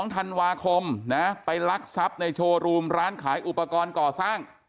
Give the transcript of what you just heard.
๒ธันวาคมนะไปลักทรัพย์ในโชว์รูมร้านขายอุปกรณ์ก่อสร้าง